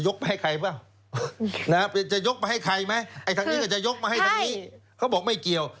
ยกไปให้ใครไหม